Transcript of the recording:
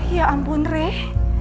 ya ampun reh